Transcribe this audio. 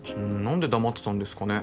何で黙ってたんですかね。